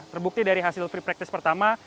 terbukti dari hasil free practice pertama